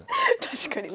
確かに。